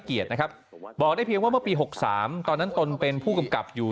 เกียรตินะครับบอกได้เพียงว่าเมื่อปี๖๓ตอนนั้นตนเป็นผู้กำกับอยู่